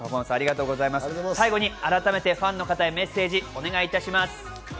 最後にファンの方へメッセージをお願いします。